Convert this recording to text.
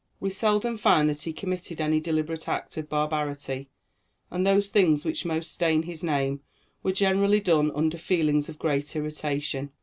We seldom find that he committed any deliberate act of barbarity, and those things which most stain his name were generally done under feelings of great irritation.